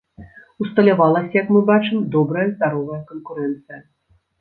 Усталявалася, як мы бачым, добрая здаровая канкурэнцыя.